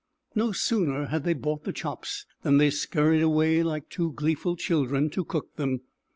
No sooner had they bought the chops than they scurried away like two gleeful children to cook them.